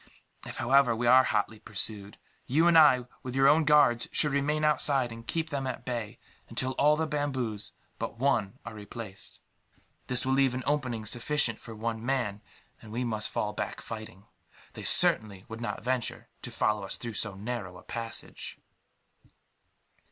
"If, however, we are hotly pursued, you and I, with your own guards, should remain outside, and keep them at bay until all the bamboos but one are replaced. This will leave an opening sufficient for one man, and we must fall back fighting. They certainly would not venture to follow us through so narrow a passage."